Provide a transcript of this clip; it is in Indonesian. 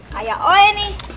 kayak oe nih